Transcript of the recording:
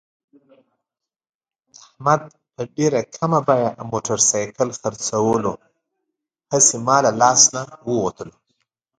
احمد په ډېره کمه بیه موټرسایکل خرڅولو، هسې مه له لاس نه ووتلو.